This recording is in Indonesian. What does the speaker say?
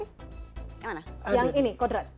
yang mana yang ini kodrat